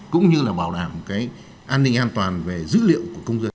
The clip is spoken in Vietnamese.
cũng như là bảo đảm cái an ninh an toàn về dữ liệu của công dân